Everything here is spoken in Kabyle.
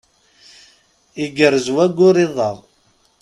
Igerrez wayyur iḍ-a.